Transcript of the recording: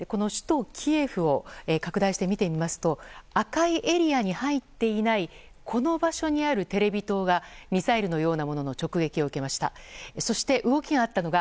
首都キエフを拡大して見てみますと赤いエリアに入っていないこの場所にあるテレビ塔がミサイルのようなものの直撃を受けました。